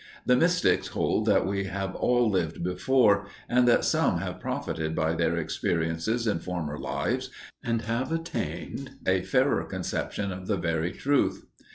The mystics hold that we have all lived before, and that some have profited by their experiences in former lives and have attained a fairer conception of the very truth.